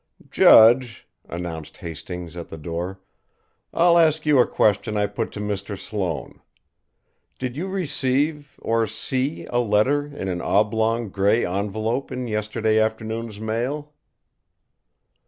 "Judge," announced Hastings, at the door, "I'll ask you a question I put to Mr. Sloane. Did you receive, or see, a letter in an oblong, grey envelope in yesterday afternoon's mail?"